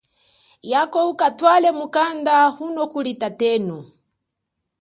Yako ukatwale mukanda uno kuli tatenu.